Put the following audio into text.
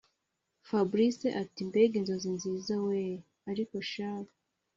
fabric ati”mbega inzozi nziza weeeee ariko shahu